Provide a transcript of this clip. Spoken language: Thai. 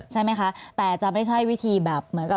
ใช่ไหมคะแต่จะไม่ใช่วิธีแบบเหมือนกับ